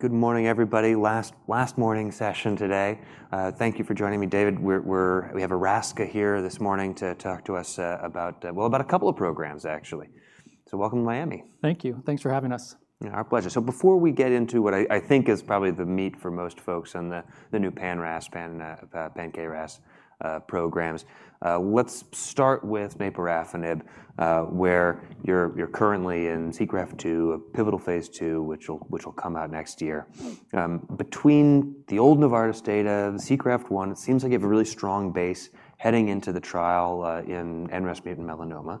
Good morning, everybody. Last morning's session today. Thank you for joining me, David. We have Erasca here this morning to talk to us about, well, about a couple of programs, actually. So welcome to Miami. Thank you. Thanks for having us. Our pleasure. So before we get into what I think is probably the meat for most folks on the new Pan-RAS, Pan-KRAS programs, let's start with naporafenib, where you're currently in SEACRAFT-2, a pivotal phase two, which will come out next year. Between the old Novartis data, SEACRAFT-1, it seems like you have a really strong base heading into the trial in NRAS mutant melanoma.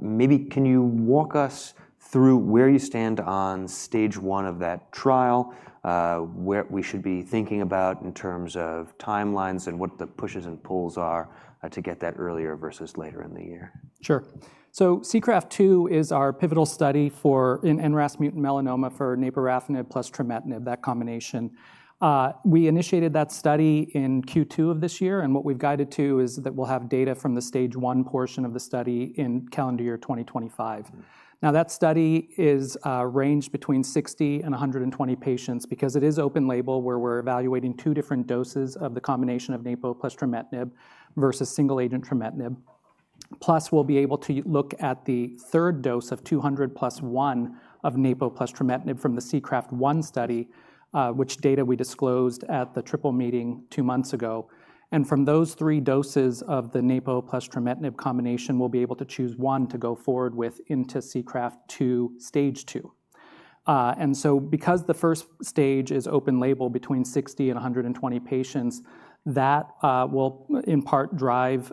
Maybe can you walk us through where you stand on stage one of that trial, what we should be thinking about in terms of timelines and what the pushes and pulls are to get that earlier versus later in the year? Sure, so SEACRAFT-2 is our pivotal study for NRAS mutant melanoma for naporafenib plus trametinib, that combination. We initiated that study in Q2 of this year, and what we've guided to is that we'll have data from the stage one portion of the study in calendar year 2025. Now, that study is ranged between 60 and 120 patients because it is open label, where we're evaluating two different doses of the combination of Napo plus trametinib versus single agent trametinib. Plus, we'll be able to look at the 3rd dose of 200+1 of Napo plus trametinib from the SEACRAFT-1 study, which data we disclosed at the Triple Meeting 2 months ago, and from those 3 doses of the Napo plus trametinib combination, we'll be able to choose 1 to go forward with into SEACRAFT-2 stage 2. And so, because the 1st stage is open-label between 60 and 120 patients, that will in part drive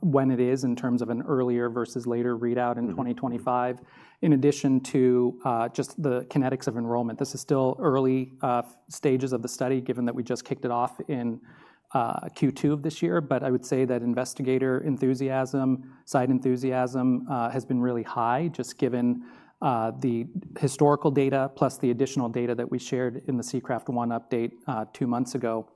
when it is in terms of an earlier versus later readout in 2025, in addition to just the kinetics of enrollment. This is still early stages of the study, given that we just kicked it off in Q2 of this year. But I would say that investigator enthusiasm, site enthusiasm has been really high, just given the historical data plus the additional data that we shared in the SEACRAFT-1 update two months ago.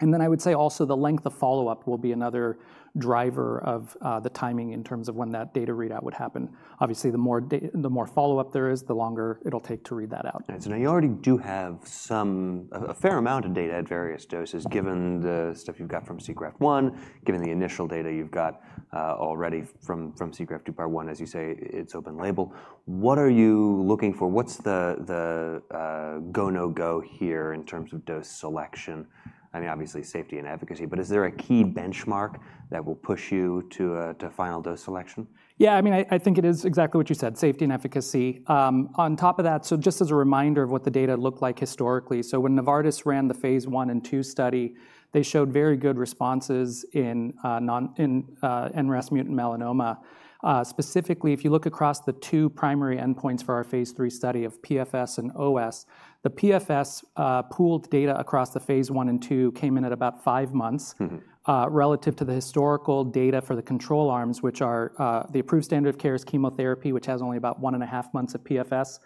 And then I would say also the length of follow-up will be another driver of the timing in terms of when that data readout would happen. Obviously, the more follow-up there is, the longer it'll take to read that out. So now you already do have a fair amount of data at various doses, given the stuff you've got from SEACRAFT-1, given the initial data you've got already from SEACRAFT-2 part one, as you say, it's open label. What are you looking for? What's the go, no go here in terms of dose selection? I mean, obviously safety and efficacy, but is there a key benchmark that will push you to final dose selection? Yeah, I mean, I think it is exactly what you said, safety and efficacy. On top of that, so just as a reminder of what the data looked like historically, so when Novartis ran the phase I and II study, they showed very good responses in NRAS mutant melanoma. Specifically, if you look across the 2 primary endpoints for our phase three study of PFS and OS, the PFS pooled data across the phase I and II came in at about five months relative to the historical data for the control arms, which is the approved standard of care, chemotherapy, which has only about one and a half months of PFS.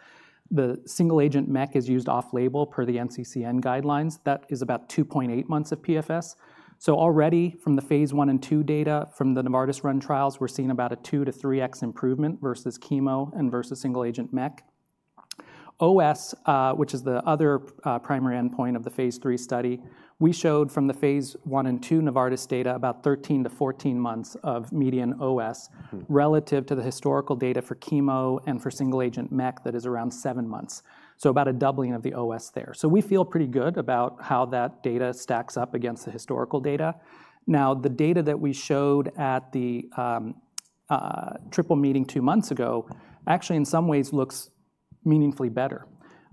The single agent MEK is used off label per the NCCN guidelines. That is about 2.8 months of PFS. So already from the phase I and II data from the Novartis run trials, we're seeing about a 2-3 X improvement versus chemo and versus single agent MEK. OS, which is the other primary endpoint of the phase three study. We showed from the phase I and II Novartis data about 13-14 months of median OS relative to the historical data for chemo and for single agent MEK that is around seven months. So about a doubling of the OS there. So we feel pretty good about how that data stacks up against the historical data. Now, the data that we showed at the triple meeting 2 months ago actually in some ways looks meaningfully better.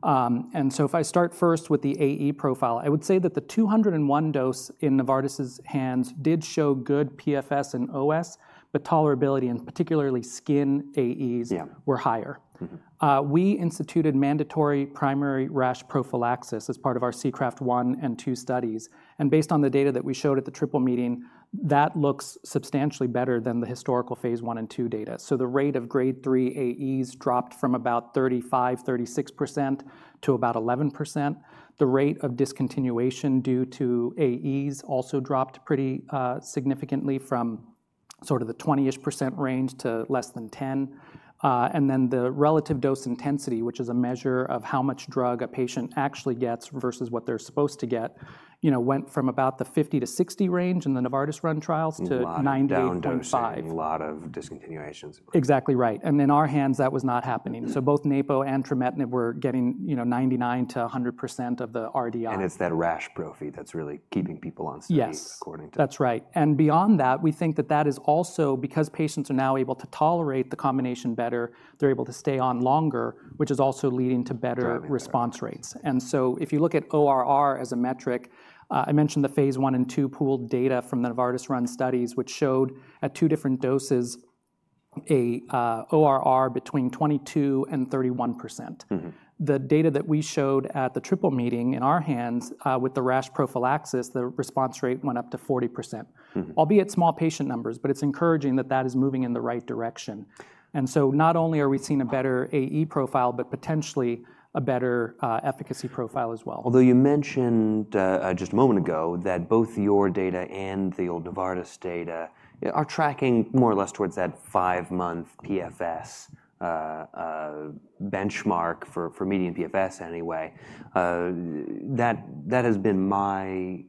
If I start first with the AE profile, I would say that the 201 dose in Novartis' hands did show good PFS and OS, but tolerability and particularly skin AEs were higher. We instituted mandatory primary rash prophylaxis as part of our SEACRAFT-1 and SEACRAFT-2 studies. Based on the data that we showed at the triple meeting, that looks substantially better than the historical phase one and two data. The rate of Grade 3 AEs dropped from about 35%-36 to about 11%. The rate of discontinuation due to AEs also dropped pretty significantly from sort of the 20-ish% range to less than 10. Then the relative dose intensity, which is a measure of how much drug a patient actually gets versus what they're supposed to get, went from about the 50-60 range in the Novartis run trials to 98.5. A lot of discontinuations. Exactly right. And in our hands, that was not happening. So both Napo and Trametinib were getting 99%-100 of the RDI. It's that RAS therapy that's really keeping people on stage according to. Yes, that's right, and beyond that, we think that that is also because patients are now able to tolerate the combination better, they're able to stay on longer, which is also leading to better response rates, and so if you look at ORR as a metric, I mentioned the phase I and II pooled data from the Novartis run studies, which showed at two different doses an ORR between 22% and 31. The data that we showed at the Triple Meeting in our hands with the rash prophylaxis. The response rate went up to 40%, albeit small patient numbers, but it's encouraging that that is moving in the right direction, and so not only are we seeing a better AE profile, but potentially a better efficacy profile as well. Although you mentioned just a moment ago that both your data and the old Novartis data are tracking more or less towards that five-month PFS benchmark for median PFS anyway. That has been my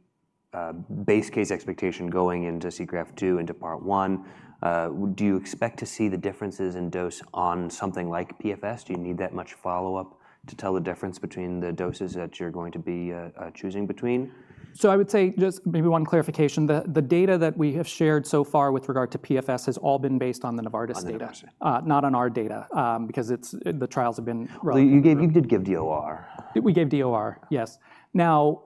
base case expectation going into SEACRAFT-2 into part one. Do you expect to see the differences in dose on something like PFS? Do you need that much follow-up to tell the difference between the doses that you're going to be choosing between? So I would say just maybe one clarification. The data that we have shared so far with regard to PFS has all been based on the Novartis data, not on our data, because the trials have been run. You did give DOR. We gave DOR, yes. Now,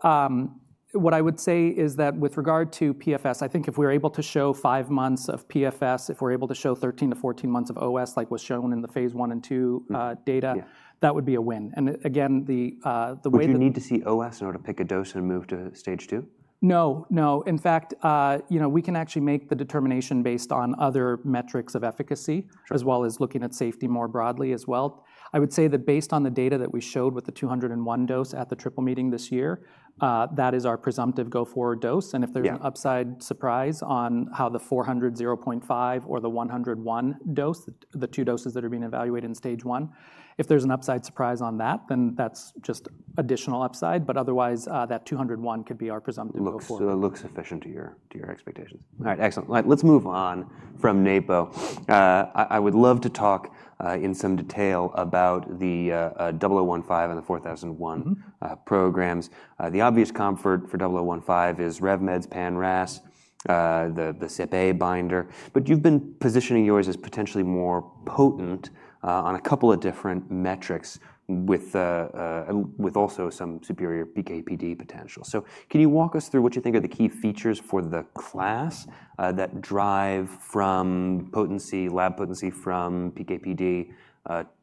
what I would say is that with regard to PFS, I think if we're able to show five months of PFS, if we're able to show 13-14 months of OS like was shown in the phase I and II data, that would be a win. And again, the way. But do you need to see OS in order to pick a dose and move to stage II? No, no. In fact, we can actually make the determination based on other metrics of efficacy, as well as looking at safety more broadly as well. I would say that based on the data that we showed with the 201 dose at the triple meeting this year, that is our presumptive go-forward dose. And if there's an upside surprise on how the 400, 0.5 or the 101 dose, the two doses that are being evaluated in stage one, if there's an upside surprise on that, then that's just additional upside. But otherwise, that 201 could be our presumptive go-forward. Looks sufficient to your expectations. All right, excellent. Let's move on from Napo. I would love to talk in some detail about the 0015 and the 4001 programs. The obvious competitor for 0015 is RevMed's Pan-RAS, the CypA binder, but you've been positioning yours as potentially more potent on a couple of different metrics with also some superior PKPD potential. So can you walk us through what you think are the key features for the class that drive from potency, lab potency from PKPD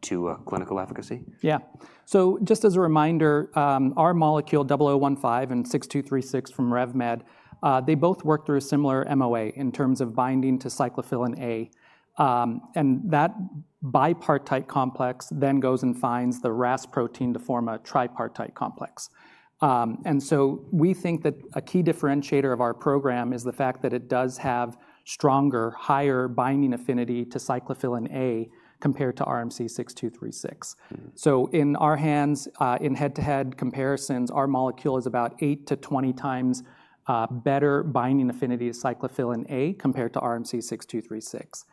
to clinical efficacy? Yeah. So just as a reminder, our molecule 0015 and 6236 from RevMed, they both work through a similar MOA in terms of binding to cyclophilin A, and that bipartite complex then goes and finds the RAS protein to form a tripartite complex, and so we think that a key differentiator of our program is the fact that it does have stronger, higher binding affinity to cyclophilin A compared to RMC 6236, so in our hands, in head-to-head comparisons, our molecule is about eight to 20X better binding affinity to cyclophilin A compared to RMC 6236.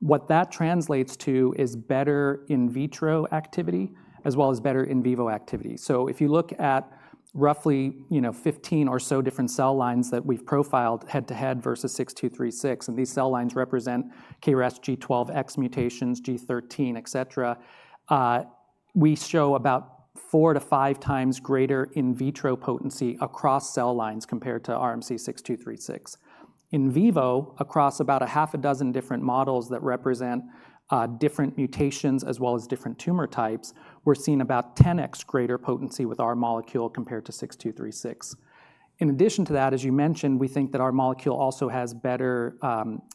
What that translates to is better in vitro activity as well as better in vivo activity. So if you look at roughly 15 or so different cell lines that we've profiled head-to-head versus 6236, and these cell lines represent KRAS G12X mutations, G13, et cetera, we show about four to five times greater in vitro potency across cell lines compared to RMC 6236. In vivo, across about a half a dozen different models that represent different mutations as well as different tumor types, we're seeing about 10X greater potency with our molecule compared to 6236. In addition to that, as you mentioned, we think that our molecule also has better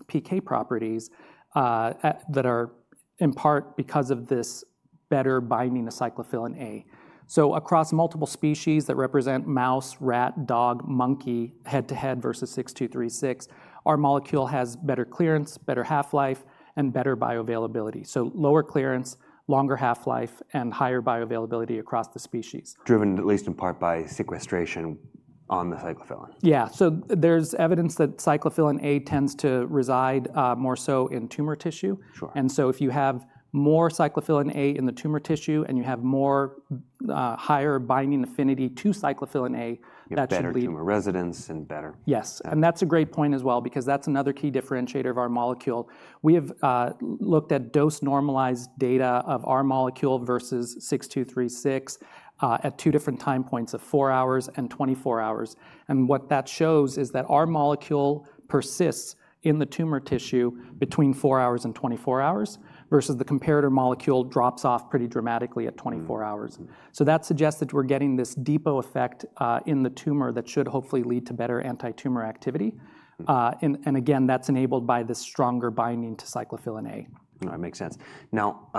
PK properties that are in part because of this better binding to cyclophilin A. So across multiple species that represent mouse, rat, dog, monkey head-to-head versus 6236, our molecule has better clearance, better half-life, and better bioavailability. So lower clearance, longer half-life, and higher bioavailability across the species. Driven at least in part by sequestration on the cyclophilin. Yeah. So there's evidence that Cyclophilin A tends to reside more so in tumor tissue. And so if you have more Cyclophilin A in the tumor tissue and you have more higher binding affinity to Cyclophilin A, that should be. You have better tumor residence and better. Yes. And that's a great point as well, because that's another key differentiator of our molecule. We have looked at dose normalized data of our molecule versus 6236 at two different time points of four hours and 24 hours. And what that shows is that our molecule persists in the tumor tissue between four hours and 24 hours versus the comparator molecule drops off pretty dramatically at 24 hours. So that suggests that we're getting this depot effect in the tumor that should hopefully lead to better anti-tumor activity. And again, that's enabled by this stronger binding to cyclophilin A. That makes sense. Now,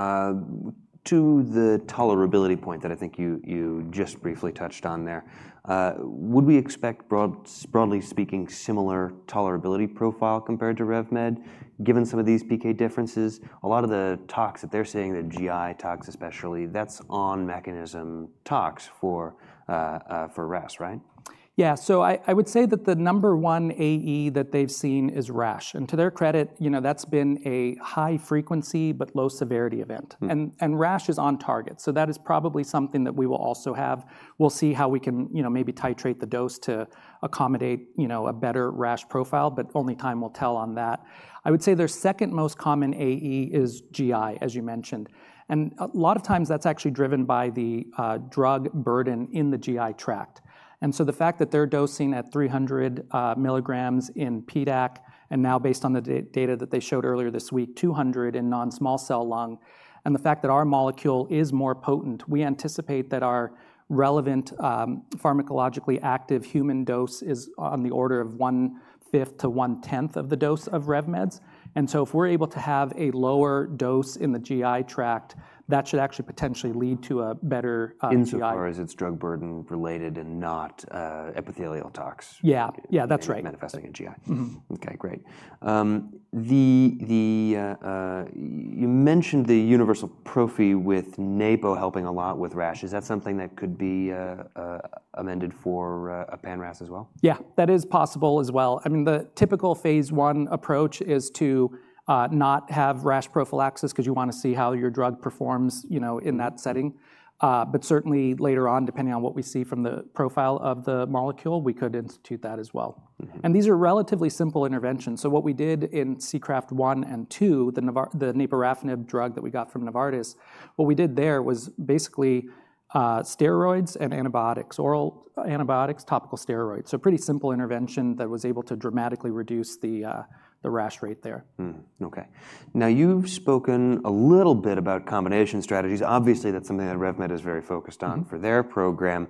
to the tolerability point that I think you just briefly touched on there, would we expect broadly speaking, similar tolerability profile compared to RevMed given some of these PK differences? A lot of the talks that they're seeing, the GI talks especially, that's on mechanism talks for RAS, right? Yeah. So I would say that the number one AE that they've seen is rash. And to their credit, that's been a high frequency, but low severity event. And rash is on target. So that is probably something that we will also have. We'll see how we can maybe titrate the dose to accommodate a better rash profile, but only time will tell on that. I would say their second most common AE is GI, as you mentioned. And a lot of times that's actually driven by the drug burden in the GI tract. The fact that they're dosing at 300ml in PDAC and now based on the data that they showed earlier this week, 200ml in non-small cell lung, and the fact that our molecule is more potent, we anticipate that our relevant pharmacologically active human dose is on the order of one fifth to one tenth of the dose of RevMed. So if we're able to have a lower dose in the GI tract, that should actually potentially lead to a better GI. Insofar as it's drug burden related and not epithelial toxicity. Yeah, yeah, that's right. Manifesting in GI. Okay, great. You mentioned the universal prophylaxis with Napo helping a lot with rash. Is that something that could be amended for a pan-RAS as well? Yeah, that is possible as well. I mean, the typical phase one approach is to not have rash prophylaxis because you want to see how your drug performs in that setting. But certainly later on, depending on what we see from the profile of the molecule, we could institute that as well. And these are relatively simple interventions. So what we did in SEACRAFT-1 and SEACRAFT-2, the naporafenib drug that we got from Novartis, what we did there was basically steroids and antibiotics, oral antibiotics, topical steroids. So pretty simple intervention that was able to dramatically reduce the rash rate there. Okay. Now you've spoken a little bit about combination strategies. Obviously, that's something that RevMed is very focused on for their program.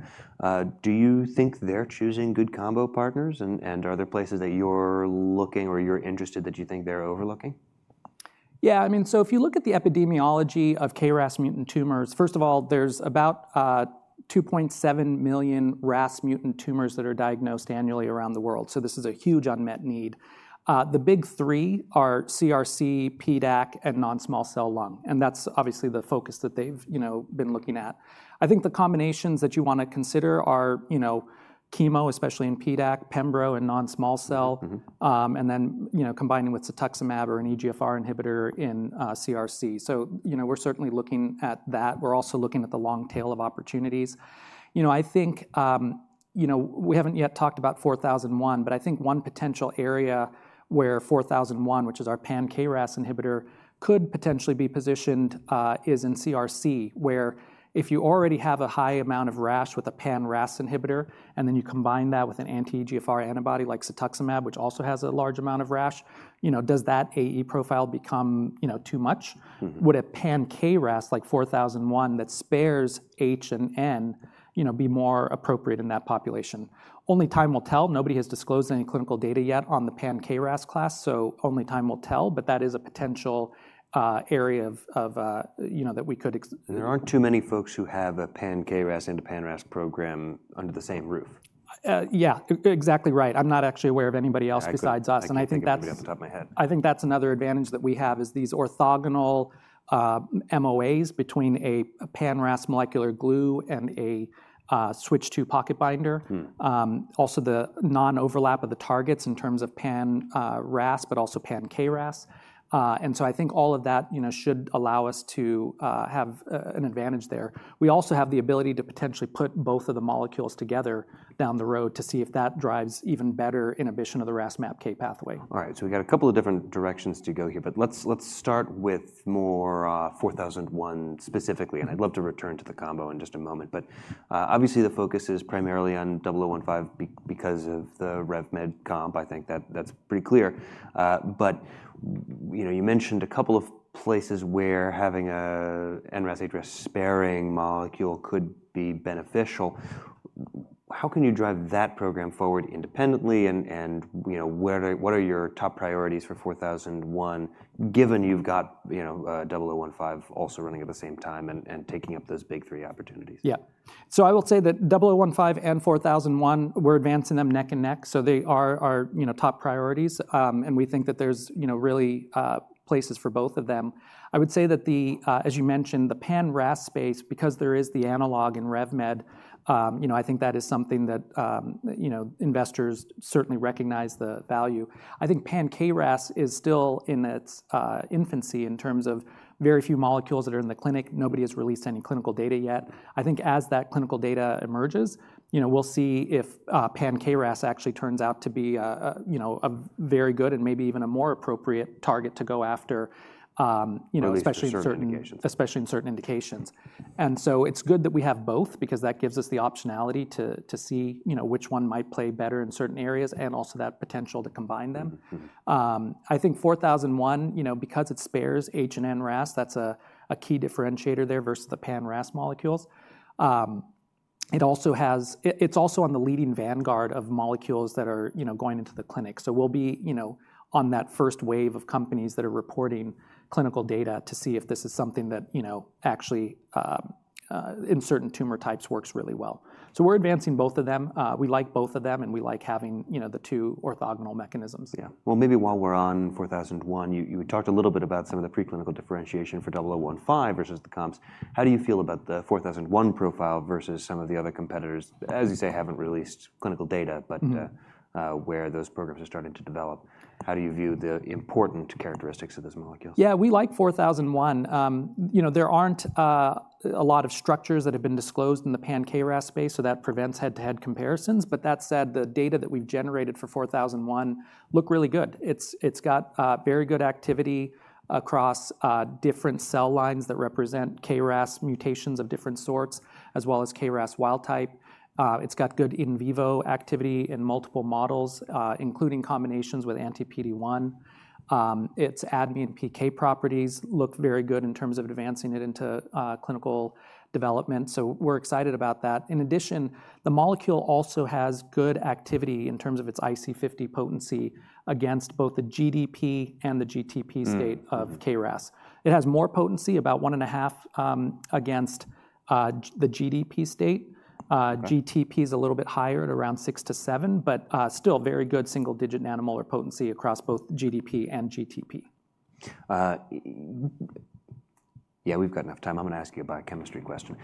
Do you think they're choosing good combo partners? And are there places that you're looking or you're interested that you think they're overlooking? Yeah, I mean, so if you look at the epidemiology of KRAS mutant tumors, first of all, there's about 2.7 million RAS mutant tumors that are diagnosed annually around the world. So this is a huge unmet need. The big 3 are CRC, PDAC, and non-small cell lung. And that's obviously the focus that they've been looking at. I think the combinations that you want to consider are chemo, especially in PDAC, Pembro in non-small cell, and then combining with cetuximab or an EGFR inhibitor in CRC. So we're certainly looking at that. We're also looking at the long tail of opportunities. I think we haven't yet talked about 4001, but I think one potential area where 4001, which is our Pan-KRAS inhibitor, could potentially be positioned is in CRC, where if you already have a high amount of rash with a Pan-RAS inhibitor, and then you combine that with an anti-EGFR antibody like cetuximab, which also has a large amount of rash, does that AE profile become too much? Would a Pan-KRAS like 4001 that spares HRAS and NRAS be more appropriate in that population? Only time will tell. Nobody has disclosed any clinical data yet on the Pan-KRAS class, so only time will tell, but that is a potential area that we could. There aren't too many folks who have a pan-KRAS and a pan-RAS program under the same roof. Yeah, exactly right. I'm not actually aware of anybody else besides us. And I think that's. I can't think of any off the top of my head. I think that's another advantage that we have is these orthogonal MOAs between a pan-RAS molecular glue and a Switch II pocket binder. Also the non-overlap of the targets in terms of pan-RAS, but also pan-KRAS. And so I think all of that should allow us to have an advantage there. We also have the ability to potentially put both of the molecules together down the road to see if that drives even better inhibition of the RAS-MAPK pathway. All right. So we've got a couple of different directions to go here, but let's start with more 4001 specifically. And I'd love to return to the combo in just a moment. But obviously the focus is primarily on 0015 because of the RevMed comp. I think that's pretty clear. But you mentioned a couple of places where having an NRAS HRAS sparing molecule could be beneficial. How can you drive that program forward independently? And what are your top priorities for 4001, given you've got 0015 also running at the same time and taking up those big three opportunities? Yeah. So I will say that 0015 and 4001, we're advancing them neck and neck. So they are our top priorities. And we think that there's really places for both of them. I would say that, as you mentioned, the pan-RAS space, because there is the analog in RevMed, I think that is something that investors certainly recognize the value. I think pan-KRAS is still in its infancy in terms of very few molecules that are in the clinic. Nobody has released any clinical data yet. I think as that clinical data emerges, we'll see if pan-KRAS actually turns out to be a very good and maybe even a more appropriate target to go after, especially in certain indications. And so it's good that we have both because that gives us the optionality to see which one might play better in certain areas and also that potential to combine them. I think 4001, because it spares HRAS and NRAS, that's a key differentiator there versus the pan-RAS molecules. It's also on the leading vanguard of molecules that are going into the clinic. So we'll be on that first wave of companies that are reporting clinical data to see if this is something that actually in certain tumor types works really well. So we're advancing both of them. We like both of them and we like having the two orthogonal mechanisms. Yeah. Well, maybe while we're on 4001, you talked a little bit about some of the preclinical differentiation for 0015 versus the comps. How do you feel about the 4001 profile versus some of the other competitors, as you say, haven't released clinical data, but where those programs are starting to develop? How do you view the important characteristics of this molecule? Yeah, we like 4001. There aren't a lot of structures that have been disclosed in the Pan-KRAS space, so that prevents head-to-head comparisons. But that said, the data that we've generated for 4001 look really good. It's got very good activity across different cell lines that represent KRAS mutations of different sorts, as well as KRAS wild type. It's got good in vivo activity in multiple models, including combinations with anti-PD-1. Its A PK properties look very good in terms of advancing it into clinical development. So we're excited about that. In addition, the molecule also has good activity in terms of its IC50 potency against both the GDP and the GTP state of KRAS. It has more potency, about one and a half against the GDP state. GTP is a little bit higher at around 6-7 but still very good single-digit nanomolar potency across both GDP and GTP. Yeah, we've got enough time. I'm going to ask you a biochemistry question.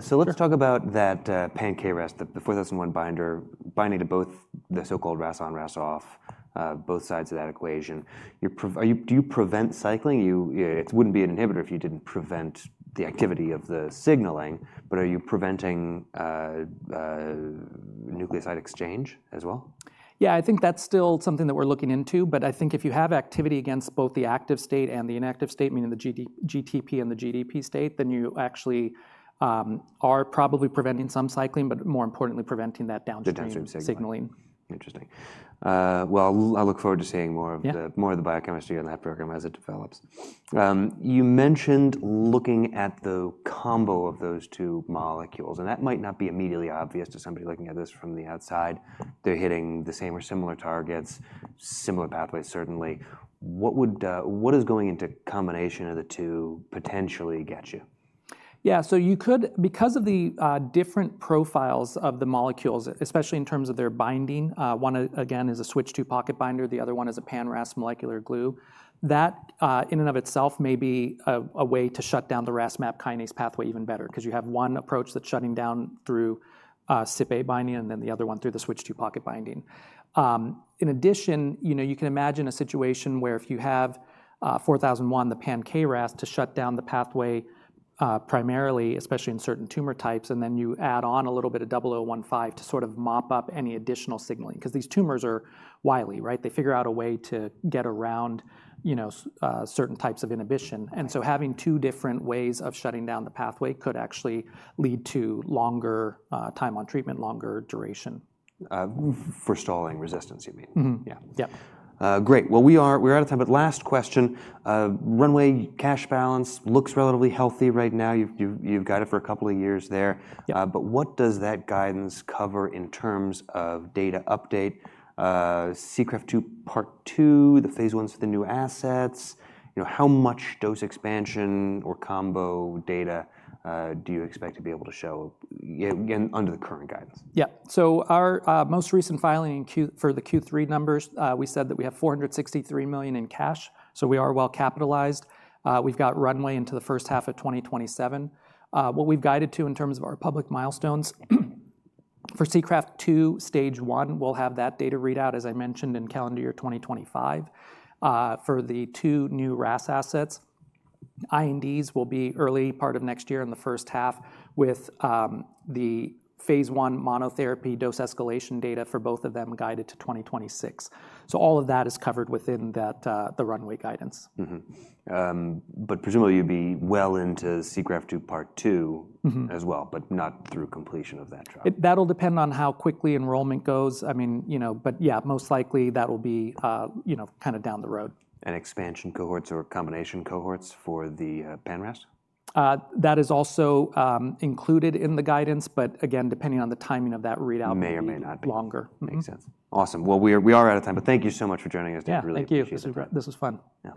So let's talk about that pan-KRAS, the 4001 binder, binding to both the so-called RAS on, RAS off, both sides of that equation. Do you prevent cycling? It wouldn't be an inhibitor if you didn't prevent the activity of the signaling, but are you preventing nucleoside exchange as well? Yeah, I think that's still something that we're looking into. But I think if you have activity against both the active state and the inactive state, meaning the GTP and the GDP state, then you actually are probably preventing some cycling, but more importantly, preventing that downstream signaling. Interesting. Well, I'll look forward to seeing more of the biochemistry in that program as it develops. You mentioned looking at the combo of those two molecules, and that might not be immediately obvious to somebody looking at this from the outside. They're hitting the same or similar targets, similar pathways, certainly. What is going into combination of the two potentially get you? Yeah, so you could, because of the different profiles of the molecules, especially in terms of their binding, one again is a switch II pocket binder, the other one is a pan-RAS molecular glue. That in and of itself may be a way to shut down the RAS-MAPK pathway even better because you have one approach that's shutting down through CypA binding and then the other one through the switch II pocket binding. In addition, you can imagine a situation where if you have 4001, the pan-KRAS to shut down the pathway primarily, especially in certain tumor types, and then you add on a little bit of 0015 to sort of mop up any additional signaling because these tumors are wily, right? They figure out a way to get around certain types of inhibition. And so having 2 different ways of shutting down the pathway could actually lead to longer time on treatment, longer duration. For stalling resistance, you mean? Yeah. Great. Well, we're out of time, but last question. Runway cash balance looks relatively healthy right now. You've got it for a couple of years there. But what does that guidance cover in terms of data update, SEARAFT-2 part 2, the phase Is for the new assets? How much dose expansion or combo data do you expect to be able to show under the current guidance? Yeah. So our most recent filing for the Q3 numbers, we said that we have $463 million in cash. So we are well capitalized. We've got runway into the first half of 2027. What we've guided to in terms of our public milestones for SEACRAFT-2 stage 1, we'll have that data readout, as I mentioned, in calendar year 2025 for the two new RAS assets. INDs will be early part of next year in the first half with the phase one monotherapy dose escalation data for both of them guided to 2026. So all of that is covered within the runway guidance. But presumably you'd be well into SEACRAFT-2 part two as well, but not through completion of that trial. That'll depend on how quickly enrollment goes. I mean, but yeah, most likely that will be kind of down the road. And expansion cohorts or combination cohorts for the pan-RAS? That is also included in the guidance, but again, depending on the timing of that readout. May or may not be. Longer. Makes sense. Awesome. Well, we are out of time, but thank you so much for joining us. Yeah, thank you. This was fun.